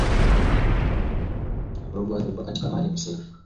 Mvurugo huo ulikuwa kati ya Maalim Seif na mwenyekiti wake Ibrahim Lipumba